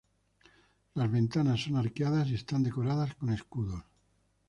Las ventanas son arqueadas y están decoradas con escudos.